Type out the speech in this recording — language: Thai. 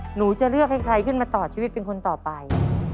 หนูจะเลือกให้ใครขึ้นมาต่อชีวิตเป็นคนต่อไป